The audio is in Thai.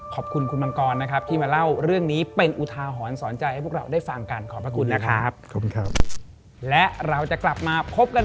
ขอบคุณคุณมังกรนะครับ